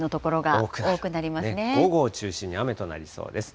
午後を中心に雨となりそうです。